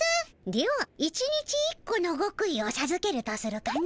では１日１個のごく意をさずけるとするかの。